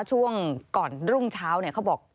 ช่วงก่อนรุ่งเช้าเขาบอก